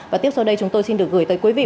và tiếp sau đây chúng tôi xin được gửi tới quý vị